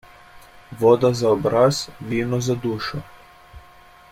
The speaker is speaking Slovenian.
Voda za obraz, vino za dušo.